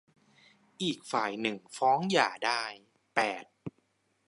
อีกฝ่ายหนึ่งฟ้องหย่าได้ แปด